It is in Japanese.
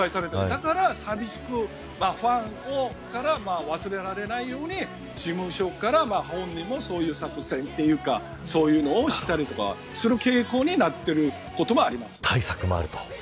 だからファンから忘れられないように事務所から本人もそういう作戦というかそういうのをしたりする傾向になることがあります。